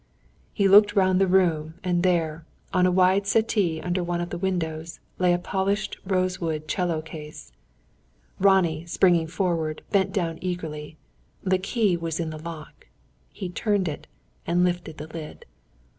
He looked round the room, and there, on a wide settee under one of the windows, lay a polished rosewood 'cello case. Ronnie, springing forward, bent down eagerly. The key was in the lock. He turned it, and lifted the lid.